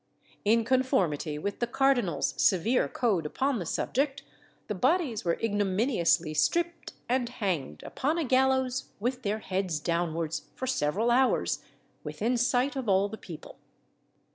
In conformity with the cardinal's severe code upon the subject, the bodies were ignominiously stripped and hanged upon a gallows with their heads downwards, for several hours, within sight of all the people.